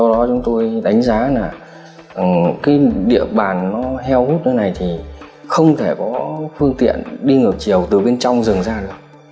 do đó chúng tôi đánh giá là cái địa bàn nó heo hút nữa này thì không thể có phương tiện đi ngược chiều từ bên trong rừng ra được